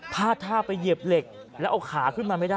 พาดท่าไปเหยียบเหล็กแล้วเอาขาขึ้นมาไม่ได้